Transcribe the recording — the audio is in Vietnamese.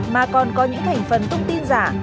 mà còn có những thành phần thông tin giả